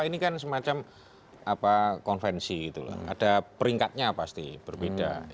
ini kan semacam konvensi ada peringkatnya pasti berbeda